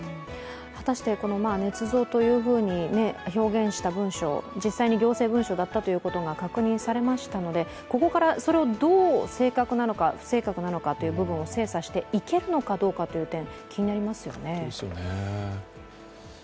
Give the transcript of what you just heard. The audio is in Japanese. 果たしてねつ造というふうに表現した文書、実際に行政文書だったことが確認されましたので、ここからそれをどう正確なのか不正確なのかという部分を精査していけるのかどうかという点、気になりますよね。